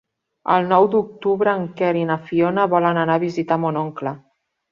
El nou d'octubre en Quer i na Fiona volen anar a visitar mon oncle.